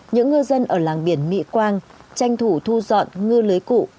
những ngư dân ở làng biển mỹ quang tranh thủ thu dọn ngư lưới cụ